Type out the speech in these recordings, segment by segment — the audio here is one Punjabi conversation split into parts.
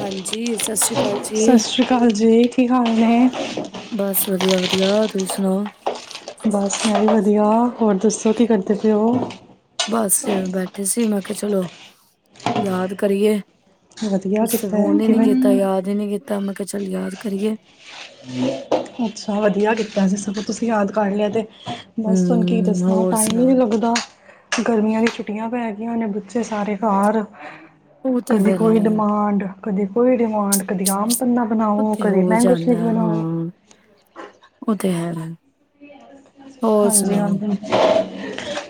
ਹਾਂਜੀ, ਸਤਿ ਸ੍ਰੀ ਅਕਾਲ ਜੀ। ਸਤਿ ਸ਼੍ਰੀ ਅਕਾਲ ਜੀ ਕੀ ਹਾਲ ਨੇ ਬਸ ਵਧੀਆ-ਵਧੀਆ, ਤੁਸੀਂ ਸੁਣਾਓ ਬਸ ਮੈਂ ਵੀ ਵਧੀਆ ਹੋਰ ਦੱਸੋ ਕੀ ਕਰਦੇ ਪਏ ਹੋ ਬਸ ਬੈਠੇ ਸੀ ਮੈਂ ਕਿਹਾ ਚਲੋ ਯਾਦ ਕਰੀਏ ਵਧੀਆ ਤੁਸੀਂ ਕੀਤਾ ਹੈ ਫੋਨ ਹੀ ਨੀ ਕਿਵੇਂ ਕੀਤਾ ਯਾਦ ਹੀ ਨੀ ਕੀਤਾ ਤਾਂ ਮੈਂ ਕਿਹਾ ਚੱਲ ਯਾਦ ਕਰੀਏ ਅੱਛਾ ਵਧੀਆ ਕੀਤਾ ਸੀ ਸਗੋਂ ਤੁਸੀਂ ਯਾਦ ਕਰ ਲਿਆ ਤੇ ਬਸ ਤੁਹਾਨੂੰ ਕੀ ਹੂੰ, ਦੱਸਣਾ ਹੋਰ ਟਾਈਮ ਹੀ ਸੁਣਾ? ਨਹੀਂੀ ਲੱਗਦਾ ਗਰਮੀਆਂ ਦੀ ਛੁੱਟੀਆਂ ਪੈ ਜ ਹੋਣੇ ਬੁੱਚੇ ਸਾਰੇ ਘਰ ਉਹ ਤੇ ਕਦੀ ਫੇਰ ਕੋਈ ਹੈ, ਡਿਮਾਂਡ ਕਦੀ ਕੋਈ ਡਿਮਾਂਡ ਕਦੀ ਆਪ ਪੰੰਨਾ ਉਹ ਬਣਾਓ ਤੇ ਕਦੇ ਹੋ ਮੈਂਗੋ ਸ਼ ਦੇ ਜਾਂਦਾ ਹਾਂ। [unintelligible] ਉਹ ਤੇ ਹੈ [unintelligible] ਹੋਰ ਹਾਂਜੀ ਸੁਣਾਓ? ਹਾਂਜੀ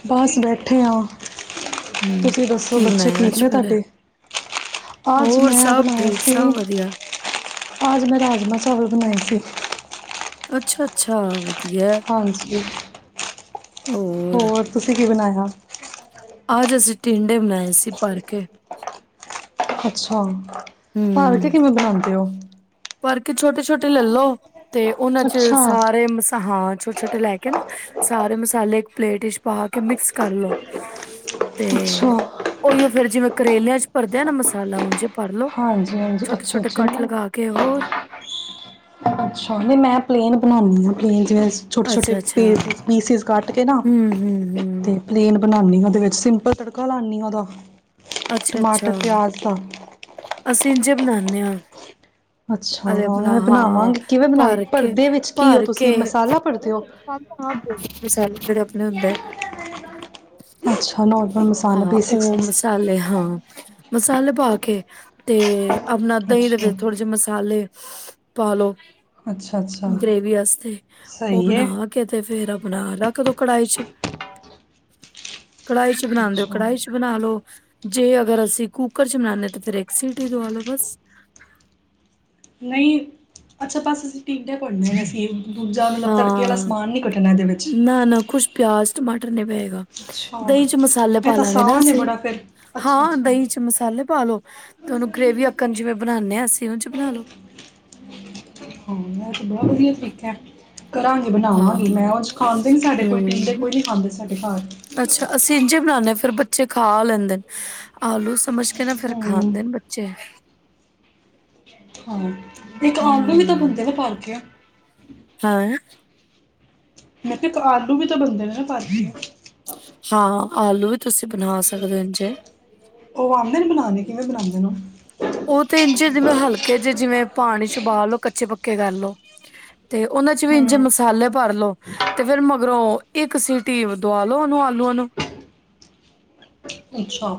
ਬਸ ਬੈਠੇ ਹਾਂ ਹੂੰ, ਤੁਸੀਂ ਦੱਸੋ ਕੀ ਬੱਚੇ ਬਣਾਇਆ ਠੀਕ ਅੱਜ ਨੇ ਫਿਰ? ਤੁਹਾਡੇ? ਅੱਜ ਹੋਰ ਮੈਂ ਸਭ ਬਣਾਏ ਠੀਕ, ਸੀ ਸਭ ਵਧੀਆ। ਅੱਜ ਮੈਂ ਰਾਜਮਾਂ ਚਾਵਲ ਬਣਾਏ ਸੀ। ਅੱਛਾ ਅੱਛਾ ਹਾਂਜੀ ਹੋਰ ਤੁਸੀ [unintelligible] ਕੀ ਬਣਾਇਆ? ਟਿੰਂਡੇ ਬਣਾਏ ਸੀ ਭਰ ਕੇ। ਅੱਛਾ ਭਰ ਕੇ ਕਿਵੇਂ ਬਣਾਉਂਦੇ ਹੋ? ਭਰਕੇ ਛੋਟੇ ਛੋਟੇ ਲੈਲੋ ਤੇ ਉਹਨਾ ਚ ਅੱਛਾ ਸਾਰੇ ਮਸਾਹਾਂ ਛੋਟੇ ਛੋਟੇ ਲੈ ਕੇ ਨਾ ਸਾਰੇ ਮਸ ਮਸਾਲੇ ਇੱਕ ਪਲੇਟ ਵਿੱਚ ਪਾ ਕੇ ਮਿਕਸ ਕਰ ਲੋੋ। ਸ਼ ਸ਼ ਸ਼ ਤੇ ਅੱਛਾ ਉਹੀਓ ਫੇਰ [unintelligible] ਕਰੇਲਿਆਂ ਚ ਭਰਦਿਆਂ ਨਾ ਮਸਾਲਾ ਉੰਝ। ਹਾਂਜੀ ਹਾਂਜੀ ਅੱਛਾ ਅੱਛਾ ਨਾ ਕਿ ਹੋਰ, ਅੱਛਾ, ਮੈਂ ਪਲੇਨ ਬਨਾਨੀ ਆ [unintelligible] ਛੋਟੇ ਛੋਟੇ ਅੱਛਾ-ਅੱਛਾ ਪੀਸ ਪੀਸਿਸ ਕਟ ਕੇ ਨਾ ਹੂੰ-ਹੂੰ-ਹੂੰ ਤੇ [unintelligible] ਬਣਾਨੀ ਆ ਉਹਦੇ ਵਿੱਚ ਸਿੰਪਲ ਤੜਕਾ ਲਾਂਨੀ ਆ ਉਦਾ ਅੱਛਾ ਅੱਛਾ ਅਸੀਂ ਜ [unintelligible] ਅੱਛਾ ਹਾਂ ਬਣਾਵਾਂਗੀ ਕਿਵੇਂ ਬਣਾ? ਭਰ ਕੇ ਭਰਦੇ ਵਿੱਚ ਕੀ ਹੋ ਭਰ ਕੇ ਤੁਸੀਂ? ਮਸਾਲਾ ਭਰਦੇ ਹੋ, ਮਸਾਲੇ ਹਾਂ ਬੇਸਿਕ ਮਸਾਲੇ ਜਿਹੜੇ ਆਪਣੇ ਹੁੰਦੇ ਅੱਛਾ, ਨੋਰਮਲ ਮਸਾਲਾ ਹਾਂ ਬੇਸਿਕਸ [unintelligible] ਹਾਂ ਮਸਾਲੇ ਪਾ ਕੇ, ਤੇ ਆਪਣਾ ਦਹੀਂ ਦੇ ਅੱਛਾ ਵਿੱਚ ਥੋੜੇ ਜਿਹੇ ਮਸਾਲੇ [inaudible] ਪਾ ਲੋ ਅੱਛਾ ਅੱਛਾ ਗ੍ਰੇਵੀ ਆਸਤੇ ਉਹ ਸਹੀ ਏ, ਬਣਾ ਕੇ ਤੇ ਫੇਰ ਆਪਣਾ ਕਦੋਂ ਕੜਾਹੀ ਚ? ਕੜਾਹੀ ਚ ਬਨਾ ਦੇ ਓ ਅੱਛਾ ਕੜਾਹੀ ਚ ਬਣਾ ਲੋ। ਜੇ ਅਗਰ ਅਸੀਂ ਕੁੂੱਕਰ ਚ ਬਨਾਨੇ ਤਾਂ ਫਿਰ ਇੱਕ ਸੀਟੀ ਦਵਾ ਲੋ ਬਸ। ਨਈ, ਅੱਛਾ ਬਸ ਅਸੀਂ ਟੀਂਡੇ ਭਰਨੇ ਨੇ ਅਸੀਂ। ਦੂਜਾ ਮਤਲਬ ਤੜਕੇ ਵਾਲਾ ਹਾਂ ਸਮਾਨ ਨਹੀਂ ਕੱਟਣਾ ਇਹਦੇ ਵਿੱਚ ਟਮਾਟ ਨਹੀਂ ਪਏਗਾ ਅੱਛਾ, ਦਹੀਂ ਚ ਮਸਾਲੇ ਇਹ ਪਾ ਤਾਂ ਲਾਂਗੇ ਨਾ ਆਸਾਨ ਏ ਅਸੀਂ ਬੜਾ ਫਿਰ ਹਾਂ ਅੱਛਾ-ਅੱਛਾ ਦਹੀਂ ਚ ਮਸਾਲੇ ਪਾਲੋ ਤੇ ਉਹਨੂੰ ਗ੍ਰੇਵੀ ਆਕਣ ਜਿਵੇਂ ਬਣਾਉਂਦੇ ਹ ਅ ਹਾਂ ਮੈਂ ਤੇ ਬ [unintelligible] ਵਧੀਆ ਠੀਕ ਹੈ ਕਰਾਂਗੇ ਹਾਂ ਬਣਾਵਾਂਗੀ ਮੈਂ ਉਹ ਖਾਂਦੇ ਨਹੀਂ ਸਾਡੇ ਕੋਈ ਟੀਂਡੇ ਹਮ ਕੋਈ ਨਹੀਂ ਖਾਂਦੇ ਸਾਡੇ ਘਰ ਫਰ ਬੱਚੇ ਖਾ ਲੈਂਦੇ ਆਲੂ ਸਮਝ [unintelligible] ਨਾ ਫੇਿਰ ਹੂੰ। ਖਾਂਦੇ ਨੇ ਬੱਚੇ ਹਾਂ ਇੱਕ ਆਲੂ ਵੀ ਤਾਂ ਬੰਦੇ ਨੇ ਪਾਲ ਕੇ ਆ [unintelligible] ਹਾਂ ਮੈਂ ਕਿਹਾ ਇੱਕ ਆਲੂ ਵੀ ਤਾਂ ਬੰਦੇ ਨੇ ਨਾ ਪਾੀ ਹਾਂ ਆਲੂ ਤੁਸੀਂ ਬਣਾ ਸਕਦੇ ਇ ਜੇ ਆ ਕਿਵੇਂ ਬਣਾਉਂਦੇ ਨੂੰ ਇੰਝੇ ਜਿਵੇਂ ਹਲਕੇ ਕੇ ਗੱਲਓ [unintelligible] ਤੇ ਉਹਨਾਂ ਚ ਵੀ ਇੰਝੇ ਹੂੰ ਮਸਾਲੇ ਭਰ ਲੋ ਤੇ ਫੇਿਰ ਮਗਰੋਂ ਇੱਕ ਸੀਟੀ ਦਆ ਲਓ ਓਨੂੰ ਆਲੂਆਂ ਨੂੰ ਅੱਛਾ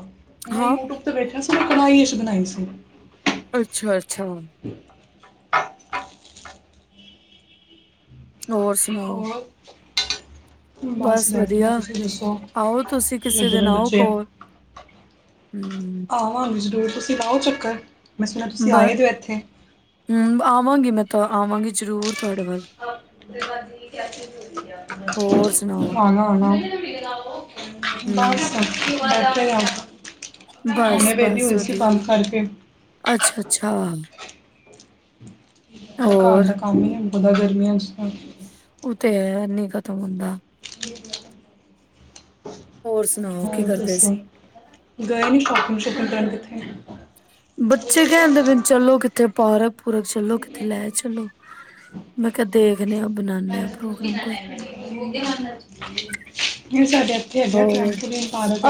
ਮੈਂ ਹਾਂ। ਯੂਟਿਊਬ ਤੇ ਬੈਠਿਆ ਸਾਨੂੰ ਕੜਾ ਬਣਾਈ ਸੀ ਅੱਛਾ ਅੱਛਾ ਹੋਰ ਸੁਣਾਓ ਹੋਰ ਬਸ ਬੈਠੇ ਆਂ ਤੁਸੀਂ ਦੱਸੋ ਆਓ ਤੁਸੀਂ ਕੀ ਕਿਸੇ ਦਿਨ ਕਰਦੇ ਆਓ ਬੱਚੇ ਕੋਲ ਹੂੰ। ਆਹੋ ਹ ਜ਼ਰੂਰ ਤੁਸੀਂ ਲਾਓ ਚੱਕਰ ਮੈਂ ਸੁਣਿਆ ਤੁਸੀਂ ਬ ਆਏ ਦਿਓ ਇੱਥੇ ਹਮ ਆਵਾਂਗੀ ਮੈਂ ਤਾਂ ਆਵਾਂਗੇ ਜ਼ਰੂਰ ਤੁਹਾਡੇ ਵੱਲ ਹੋਰ ਸੁਣਾਓ ਆਣਾ ਆਣਾ ਹਮ ਬੱਸ ਫਿਰ ਆਨਾ ਬਸ ਨੇ ਵੇ ਦੀ ਬਸ ਹੋਈ ਸੀ ਕੰਮ ਕਰਕੇ ਛਾ ਬ ਘਰ ਦਾ ਕੰਮ ਹੀ ਉਹਦਦਾ ਗਰਮੀਆਂ ਚ ਉਹ ਤੇ ਹੈਨੀ ਖਤਮ ਹੁੰਦਾ ਹੋਰ ਸੁਣਾਓ ਹੋ ਕੀ ਕਰਦੇ ਤਸ ਸੀ ਗਏ ਨ ਸ਼ੋਪਿੰਗ ਸ਼ੋਪਿੰਗ ਕਰਨ [inaudible] ਬੱਚੇ ਕਹਿਣਦੇ ਪ ਚਲੋ ਕਿੱਥੇ ਪਰਾਰਬ ਪੂਰ ਚੱਲੋ ਕਿਤੇ ਲੈ ਚੱਲੋ ਮੈਂ ਕਿਹਾ ਦੇਖ ਸਡ ਰ ਹੋਰ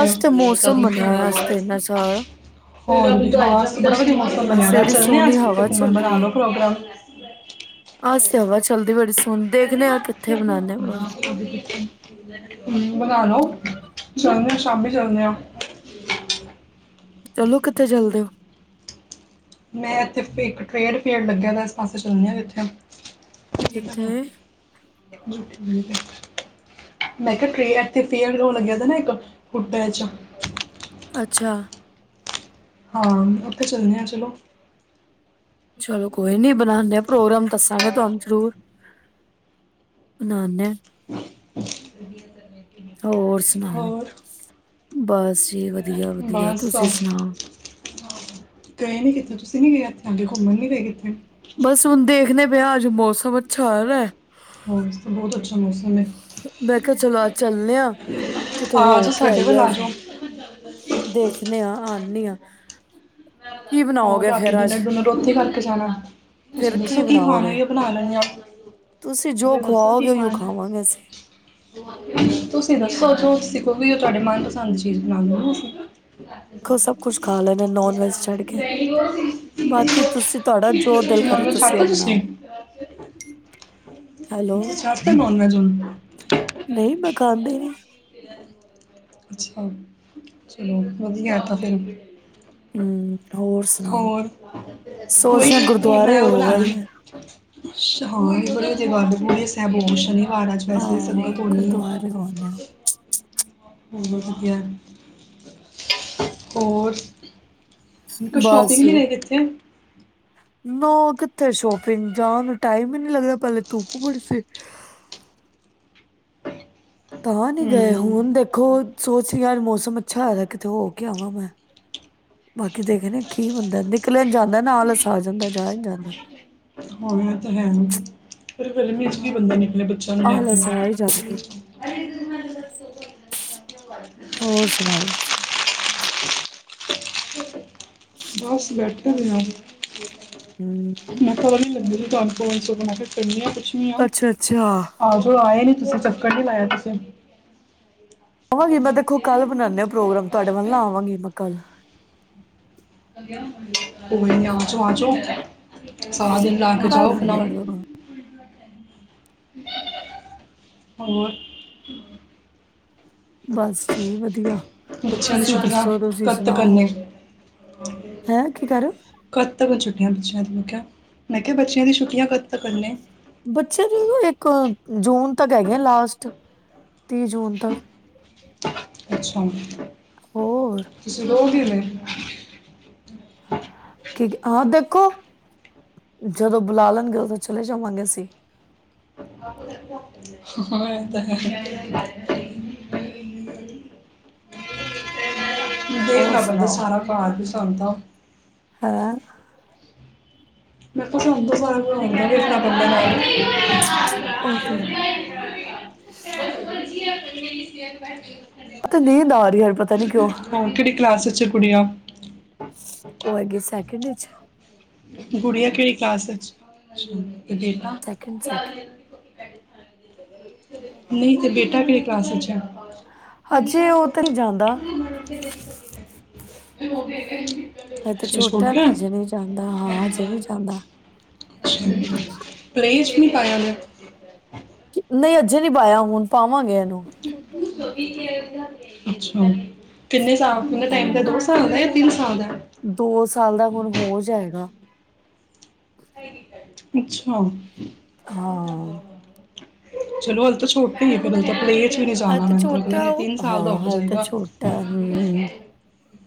ਅੱਜ ਤੇ ਮੌਸਮ ਬਣਿਆ ਹੋਇਆ ਅੱਜ ਤੇ ਇੰਨਾ ਸਾਰਾ ਅੱਜ ਐਡੀ ਸੋਹਣੀ ਹਵਾ ਘੁੰਮਣ ਚੱਲ ਬਣਾ ਲੋ ਪ੍ਰੋਗਰਾਮ ਆਸ ਹਵਾ ਚਲਦੀ ਬੜੀ ਸੁਣਦੇ ਹਮ ਬਣਾ ਲੋ [inaudible] ਚਦੇ ਆਾਂ ਸ਼ਾਮੀ ਚਲਦੇ ਹਾਂ ਚਲੋ ਕਿੱਥੇ ਚਲਦੇ ਹੋ ਮੈਂ ਇੱਥੇ ਇੱਕ ਟ੍ਰੇਡ ਪੇਡ ਲੱਗਿਆ ਤਾਂ ਇਸ ਪਾਸੇ ਚਦੀ ਹ ਜਿੱਥੇ ਠੀਕ ਕਿੱਥੇ ਮੈਂ ਕਿਹਾ ਟੇਅਰ ਤੇ ਫੇਅਰ ਲੱਗਿਆ ਨਾ ਇੱਕ ਹੁੱਟ ਚ ਅੱਛਾ ਹਾਂ ਉੱਥੇ ਚੱਲਦੇ ਹ ਚਲੋ ਚਲੋ ਕੋਈ ਨੀ ਬਣਾਦੇ ਆ ਪ੍ਰੋਗਰਾਮ ਦੱਸਾਂਗੇ ਤੁਾਨ ਜ਼ਰੂਰ ਬਨਾਉਂਦੇ ਵੀਆ ਹੋਰ ਸੁਣਾਓ ਬਸ ਜੀ ਵਧੀਆ ਵਧੀਆ ਬਸ ਤੁਸੀਂ ਸੁਣਾਓ ਗਏ ਨਹੀਂ ਕਿਤੇ ਤੁਸੀਂ ਨਹੀਂ ਗਏ ਇੱਥੇ ਅੱਗੇ ਘੁੰਮਣ ਨੀ ਰਏ ਕਿੱਥੇ ਬਸ ਹੁਣ ਦੇਖਦੇ ਵਿਆਜ ਮੌਸਮ ਅੱਛਾਰ ਹੋਰ ਤਾਂ ਬਹੁਤ ਅੱਛਾ ਮੌਸਮ ਹੈ ਮੈਂ ਕਿਹਾ ਚਲੋ ਅੱਜ ਚੱਲਣੇ ਆ ਕਿਤੇ ਆ ਹੋ ਜਾਓ ਕੇ ਸਾਡੇ ਵੱਲ ਆਈਏ ਆ ਅੱਜ ਜਾਓ ਨੀਆਂ ਹੋਰ ਰਾਤੀ ਡਿਨਰ ਦਨ ਰੋਥ ਖਾ ਖ ਜਾਣਾ ਤੁਸੀਂ ਫੇਰ ਦੱਸੋ ਕੀ ਖਾਣਾ ਬਣਾਓਗੇ ਹੀ ਬਣਾ ਲੈਂਦੇ ਆ ਜੋ ਤੁਸੀਂ ਦੱਸੋ ਕੀ ਖਵਾਓਗੇ ਉਹੀਓ ਖਾਵਾਂਗੇ ਅਸੀਂ ਖਾਣਾ ਤੁਸੀਂ ਦੱਸੋਖੋ ਵੀ ਤੁਡੇ ਮਨਪਸੰਦ ਚੀਜ਼ ਬਣਾਉਦੇ ਹੋ ਤੁਸੀਂ [unintelligible] ਦੇਖੋ ਸਭ ਕੁਛ ਖਾ ਲੈਣਾ ਨੋਨ ਵੈਜ ਛੱਡ ਤੁਸੀ ਕੇ ਬਾਕੀ ਤੁਸੀਂ ਤੁਹਾਡਾ ਜੋ ਦਿਲ ਕਰੇ ਨੋਨਵੇਜ਼ ਛੱਡ ਤੁਸੀਂ ਤਾ ਉਹ ਤੁਸੀ ਬਣਾਓ ਹੈਲੋ ਤੁਸੀ ਛੱਡਤਾ ਨੋਨਵੇਜ਼ ਹੁਣ ਨਹੀਂ ਮੈਂ ਖਾਂਦੀ ਨੀ ਅੱਛਾ ਚਲੋ ਵਧੀਆ ਤਾਂ ਫਿਰ ਹਮ ਹੋਰ ਸੋਚ ਕੋਈ ਰੇ ਨਹੀ ਗੁਰਦੁਆਰੇ ਮੈਂ ਉਹਦੋ ਹੋ ਬੂਲਾ ਆਈ ਲਵਾਂਗੀ [unintelligible] ਆਹ ਗੁਰਦੁਆਰੇ [unintelligible] ਲਉਂਦੇ ਹ ਵਧੀਆ ਹੋਰ ਕੁਝ ਸ਼ੋਪਿੰਗ ਨਹੀ ਗਏ ਕਿਥੇ ਨਾ ਕਿਥੇ ਸ਼ੋਪਿੰਗ ਜਾਣ ਨੂੰ ਟਾਈਮ ਹੀ ਨੀ ਲੱਗਦਾ ਪਹਿਲੇ ਧੁੱਪ ਬੜੀ ਸੀ ਤਾਂ ਨਹੀ ਗਏ ਹੂੰ ਹੁਣ ਦੇਖੋ ਸੋਚ ਯਾਰ ਮੌਸਮ ਅੱਛਾ ਹੋਇ ਕਿਥੇ ਹੋ ਕੇ ਆਵਾਂ ਮੈਂ ਬਾਕੀ ਦੇਖਣੇ ਕੀ ਬੰਦਾ ਨਿਕਲਿਆ ਨਹੀ ਜਾਂਦਾ ਨਾ ਆਲਸ ਆ ਜਾਂਦਾ ਜਾਆ ਨਹੀ ਜਾਂਦਾ ਹਾਂ ਇਹ ਤਾਂ ਹੈ ਫਿਰ ਗਰਮੀ ਵਿੱਚ ਕੀ ਬੰਦਾ ਨਿਕਲੇ ਆਪਣੇ ਬੱਚਿਆਂ ਨੂੰ ਆਲਸ ਆ ਹੀ ਜਾਂਦਾ ਹੋਰ ਸੁਣਾਓ ਤੁਸੀਂ ਬਸ ਬੈਠੇ ਸੀ ਹਮ ਵ ਲੰ ਲਈ ਤੁਾਨੂੰਵਈ ਸਭ ਕਿ ਕਨੀਆਂ [unintelligible] ਪੂਛਨੀ ਹਾ ਅੱਛਾ ਅੱਛਾ ਆ ਜਾਓ ਆਏ ਨਹੀ ਤੁਸੀਂ ਚੱਕਰ ਨਹੀਂ ਲਾਇਆ ਤੁਸੀਂ ਆਵਾਂਗੀ ਮੈਂ ਦੇਖੋ ਕੱਲ੍ਹ ਬਨਾਉਂਦੇ ਹਾ ਪ੍ਰੋਗਰਾਮ ਤੁਹਾਡੇ ਵੱਲ ਨਾ ਆਵਾਂਗੀ ਮੈਂ ਕੱਲ [unintelligible] ਕੋਈ ਨਾ ਆਜੋ ਆਜੋ ਸਾਰਾ ਦਿਨ ਲਾ ਕੇ ਕੱਲ ਜਾਓ ਆਨੇ ਆ ਆਪਣਾ ਤੁਹਾਡੇ ਵੱਲ ਹੋਰ ਬਸ ਠੀਕ ਵਧੀਆ ਬੱਚਿਆਂ ਨੂੰ ਤੁਸੀਂ ਛੁੱਟੀਆਂ ਦੱਸੋ ਤੁਸੀਂ ਕਦ ਤਕ ਹੈ ਸੁਣਾਓ ਨੇ ਹੈਂ ਕੀ ਕਹਿ ਰਹੇ ਹੋ ਕਦ ਤਕ ਨੇ ਛੁੱਟੀਆਂ ਇਨ੍ਹਾਂ ਬੱਚਿਆਂ ਦੀ ਮੈ ਕਿਹਾ ਮੈਂ ਕਿਹਾ ਬੱਚਿਆਂ ਦੀ ਛੁੱਟੀਆਂ ਕਦ ਤਕ ਨੇ ਬੱਚੇ ਦੇ ਇੱਕ ਜੂਨ ਤੱਕ ਹੈਗੇ ਆ ਲਾਸਟ ਤੀਹ ਜੂਨ ਤੱਕ ਅੱਛਾ ਹੋਰ ਤੁਸੀ ਲੋਗ [unintelligible] ਠੀਕ ਆਹ ਦੇਖੋ ਜਦੋਂ ਬੁਲਾ ਲੈਣਗੇ ਉਦੋਂ ਚਲੇ ਜਾਵਾਂਗੇ ਅਸੀ ਹਾਂ ਇਹ ਤਾਂ ਹੈ ਹੋਰ ਦੇਖਣਾ ਪੈਂਦਾ ਸਾਰਾ ਘਰ ਘਰ ਦਾ ਹੈ ਮੈਂ ਕਿਹਾ ਲੈਣਾ ਪਿਆ ਉਹ ਤੇ ਹੈ ੈ ਹ ਕਿਹੜੀ ਤੇ ਨੀਂਦ ਆ ਰਹੀ ਯਾਰ ਪਤਾ ਨੀ ਕਿਉਂ ਕਲਾਸ ਪੰਜ ਚਾਰ ਕੁੜੀਆਂ ਹਾਂ ਉਹ ਹੈਗੇ ਸੈਕਿੰਡ ਚ ਗੁੜੀਆ ਕਿਹੜੀ ਕਲਾਸ ਵਿੱਚ ਕਿ ਤਾਂ ਸੈਕਿੰਡ ਸੈਕਿੰਡ [unintelligible] ਨਹੀਂ ਤੇ ਬੇਟਾ ਕੀ ਕਲਾਸ ਅੱਛਾ ਹਜੇ ਉਹ ਤਾਂ ਨਹੀਂ ਜਾਂਦਾ ਹੋਵੇ ਕ ਹ ਤਾਂ ਛੋਟਾ ਨਾ ਹਜੇ ਨਹੀਂ ਜਾਂਦਾ ਹਾਂ ਹਜੇ ਨਹੀਂੀ ਜਾਂਦਾ ਨੀ ਪਾਇਆ ਨਹੀਂ ਅਜੇ ਨੀ ਪਾਇਆ ਹੁਣ ਪਾਵਾਂਗੇ ਇਹਨੂੰ ਸਭੀ ਕੇ ਅੱਛਾ ਕਿੰਨੇ ਸਾਲ ਕਿੰਨੇ ਟਾਈਮ ਦਾ ਦੋ ਹਾਂ ਸਾਲ ਦਾ ਜਾਂ ਤਿੰਨ ਸਾਲ ਦਾ ਦੋ ਸਾਲ ਦਾ ਹੁਣ ਹੋ ਜਾਏਗਾ ਅੱਛਾ ਹਾਂ ਚਲੋ ਹੱਲ ਤਾਂ ਛੋਟੇ ਨ ਪਰ ਤਾਂ ਆਪਣੇ ਹ ਤਾਂ ਛੋਟਾ ਉਹ ਹਾਂ ਹ ਤਾਂ ਜਾਏਗਾ ਛੋਟਾ ਹਮ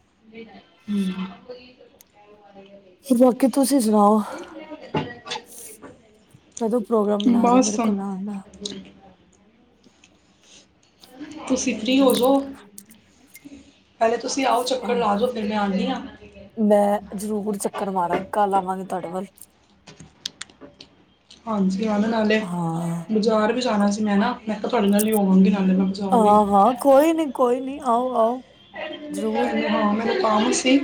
ਹਮ ਲੋਕੀ ਤੁਸੀਂ ਸੁਣਾਓ [unintelligible] ਕਦੋਂ ਪ੍ਰੋਗਰਾਮ ਬਣਾ ਰਹੇ ਬਸ ਮੇਰੇ ਕੋਲ ਆਉਂਦਾ ਤੁਸੀਂ ਫ੍ਰਰੀ ਹੋ ਜਾਓ ਹਾਂ ਤੁਸੀਂ ਆਓ ਚੱਕਰ ਹਾਂ ਲਾ ਜਾਓ ਫਿਰ ਮੈਂ ਆਉਂਦੀ ਮੈਂ ਜ਼ਰੂਰ ਚੱਕਰ ਮਾਰਾਂਗੇ ਕੱਲ ਆਵਾਂਗੇ ਤੁਹਾਡੇ ਵੱਲ ਹਾਂਜੀ ਆ ਨਾਲੇ ਹਾਂ ਬਾਜ਼ਾਰ ਵੀ ਜਾਣਾ ਸੀ ਮੈਂ ਨਾ ਮੈਂ ਤਾਂ ਤੁਹਾਡੇ ਨਾਲ ਹੀ ਹੋਵਾਂਗੀ, ਨਾਲੇ ਮੈਂ ਬਾਜ਼ਾਰ ਵੀ ਹਾਂ ਹਾਂ ਕੋਈ ਨੀ ਕੋਈ ਨੀ ਆਓ ਆਓ। ਹਾਂ ਜ਼ਰੂਰ ਮੈਂ ਮੈਨੂੰ ਕੰਮ ਸੀ।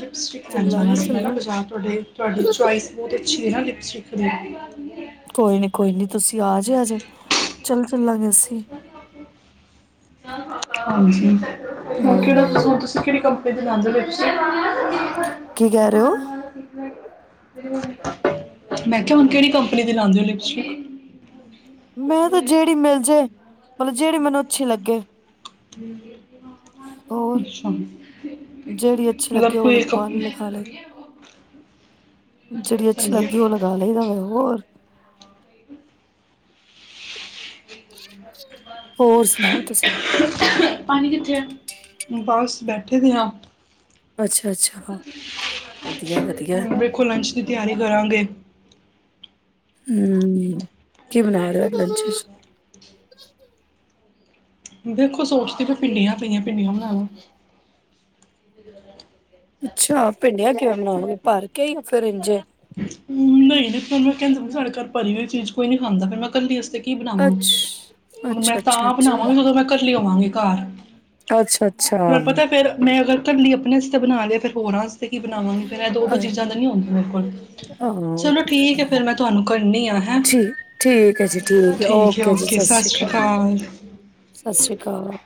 ਲਿਪਸਟਿਕ ਲੈਣ ਜਾਣਾ ਚੱਲਾਂਗੇ ਸੀ। ਮੈਂ ਨਾ ਚੱਲਾਂਗੇ ਬਾਜ਼ਾਰ ਤੁਹਾਡੇ ਤੁਹਾਡੀ ਚੋਇਸ ਬਹੁਤ ਤੁਸੀਂ ਲੈਣਾ ਲਿਪਸਟਿਕ [unintelligible] ਕੋਈ ਨੀ ਕੋਈ ਨੀ ਤੁਸੀਂ ਆ ਜੇ ਆਜੇ ਚੱਲ ਲੱਗੇ ਸੀ। ਹਾਂਜੀ। ਹੁਣ ਹਮ ਕਿਹੜਾ ਤੁਸੀਂ ਕਿਹੜੀ ਕੰਪਨੀ ਦੇ ਲਾਉਂਦੇ ਪਏ ਤੁਸੀਂ? ਕੀ ਕਹਿ ਰਹੇ ਹੋ ਮੈਂ ਕਿਹਾ ਹੁਣ ਕਿਹੜੀ ਕੰਪਨੀ ਦੀ ਲਾਉਂਦੇ ਹੋ ਲਿਪਸਟਿਕ? ਮੈਂ ਤਾਂ ਜਿਹੜੀ ਮਿਲ ਜੇ। ਮਤਲਬ ਜਿਹੜੀ ਮੈਨੂੰ ਅੱਛੀ ਲੱਗੇ। [inaudible] ਹੋਰ ਅੱਛਾ ਜਿਹੜੀ ਅੱਛੀ ਮਤਲਬ ਲੱਗੇ, ਉਹ ਕੋਈ ਆਪਾਂ ਕੰਪਨੀ ਲਗਾ ਲਈਏ। ਜਿਹੜੀ ਅੱਛੀ ਸਹੀ ਹੈ ਲੱਗਦੀ ਉਹ ਲਗਾ ਲਈ ਤਾਂ ਮੈਂ ਹੋਰ। ਹ ਪਾਣੀ ਕਿੱਥੇ ਆ? ਬਸ ਬੈਠ ਬੈਠੇ ਦੀ ਹਾਂ। ਅੱਛਾ ਅੱਛਾ ਵਧੀਆ ਵਧੀਆ ਹੁਣ ਦੇੇਖੋ ਲੰਚ ਦੀ ਤਿਆਰੀ ਕਰਾਂਗੇ। ਹੂੰ। ਕੀ ਬਣਾ ਰਹੇ ਓ ਲੰਚ ਵਿੱਚ? ਹਮ ਦੇਖੋ ਸੋਚਦੀ ਤਾਂ ਭਿੰਡੀਆਂ ਪਈ ਆਂ, ਭਿੰਡੀਆਂ ਬਣਾ ਲਾਂ। ਅੱਛਾ ਭਿੰਡੀਆਂ ਕਿਵੇਂ ਬਣਾਓਗੇ? ਭਰ ਕਈ ਆ ਫਿਰ ਇੰਝ ਨਹੀਂ ਤੇ ਫਿਰ ਮੈਂ ਕਹਿੰਦਾ ਸਾਡੇ ਘਰ ਭਰੀ ਹੋਈ ਚੀਜ਼ ਕੋਈ ਨਹੀਂ ਖਾਂਦਾ, ਫਿਰ ਮੈਂ ਕੱਲੀ ਵਸਤੇ ਕੀ ਬਣਾਵਾਂ ਅੱਛ ਹੁਣ ਮੈਂ ਅੱਛਾ ਅੱਛਾ ਤਾਂ ਅੱਛਾ ਬਣਾਵਾਂਗੀ ਜਦੋਂ ਮੈਂ ਇਕੱਲੀ ਹੋਵਾਂਗੀ ਘਰ। ਅੱਛਾ ਅੱਛਾ ਤੁਹਾਨੂੰ ਪਤਾ ਫਿਰ ਮੈਂ ਅਗਰ ਇਕੱਲੀ ਆਪਣੇ ਤੇ ਬਣਾ ਲਿਆ ਤੇ ਫਿਰ ਹੋਰਾਂ ਵਾਸਤੇ ਕੀ ਬਣਾਵਾਂਗੇ? ਫਿਰ ਦੋ ਦੋ ਅ ਚੀਜ਼ਾਂ ਤਾਂ ਨਹੀਂ ਹੁੰਦੀਆਂ ਮੇਰੇ ਕੋਲ। ਹਾਂ ਉਹ ਚਲੋ ਤਾਂ ਹੈ ਠੀਕ ਫਿਰ ਮੈਂ ਤੁਹਾਨੂੰ ਕਰਨੀ ਆ ਹੈ ਐ। ਜੀ ਠੀਕ ਐ ਜੀ ਠੀਕ ਐ। ਓਕੇ ਜੀ ਸਤਿ ਸ੍ਰੀ ਅਕਾਲ। ਸਤਿ ਸ੍ਰੀ ਅਕਾਲ।